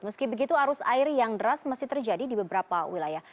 meski begitu arus air yang deras masih terjadi di beberapa wilayah